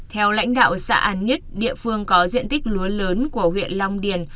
theo lãnh đạo xã an nhất địa phương có diện tích lúa lớn của huyện long điền